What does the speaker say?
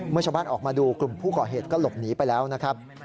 เมื่อชาวบ้านออกมาดูกลุ่มผู้ก่อเหตุก็หลบหนีไปแล้วนะครับ